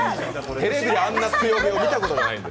テレビであんな強火は見たことない。